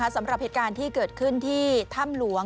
สำหรับเหตุการณ์ที่เกิดขึ้นที่ถ้ำหลวง